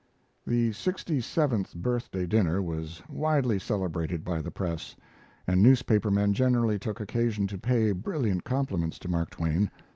The sixty seventh birthday dinner was widely celebrated by the press, and newspaper men generally took occasion to pay brilliant compliments to Mark Twain.